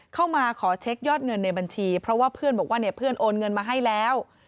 เข้ามาขอเช็คยอดเงินในบัญชีเพราะว่าเพื่อนบอกว่าเนี่ยเพื่อนโอนเงินมาให้แล้ว